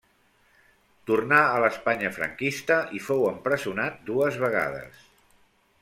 Tornà a l'Espanya franquista i fou empresonat dues vegades.